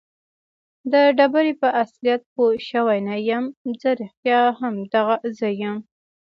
د ډبرې په اصلیت پوه شوی نه یم. زه رښتیا هم دغه زه یم؟